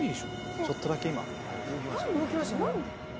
ちょっとだけ今。